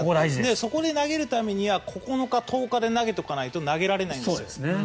そこで投げるためには９日、１０日で投げておかないと投げられないんです。